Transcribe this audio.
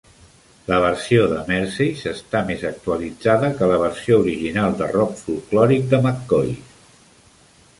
La versió de Merseys està més actualitzada que la versió original de rock folklòric de McCoys.